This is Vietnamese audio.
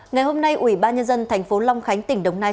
ngày hôm nay ủy ban nhân dân tp long khánh tỉnh đồng thành